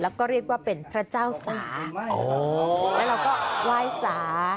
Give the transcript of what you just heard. แล้วก็เรียกว่าเป็นพระเจ้าสาแล้วเราก็ไหว้สา